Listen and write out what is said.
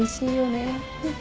ねっ。